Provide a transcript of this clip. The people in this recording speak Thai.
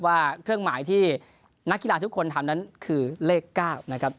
ว่าเครื่องหมายที่นักกีฬาทุกคนทำนั้นคือเลข๙นะครับ